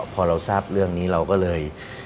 พอเราทราบเรื่องนี้เราก็เลย